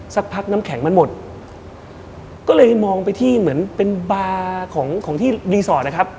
สักพักน้ำแข็งมันหมดก็เลยมองไปที่เหมือนเป็นบาร์ของของที่รีสอร์ทนะครับ